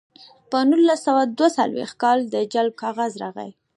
په نولس سوه دوه څلویښت کال د جلب کاغذ راغی